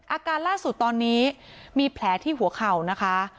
อาการล่าสุดตอนนี้มีแผลที่หัวเข่านะคะ